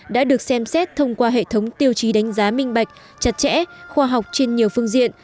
đã được xem xét thông qua hệ thống tiêu chí đánh giá minh bạch chặt chẽ khoa học trên nhiều phương diện